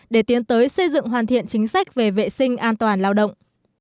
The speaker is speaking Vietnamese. để tiến tới xây dựng hoàn thiện chính sách về vệ sinh an toàn lao động